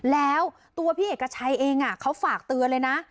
แล้วตัวพี่เอกชัยเองเขาฝากเตือนเลยนะ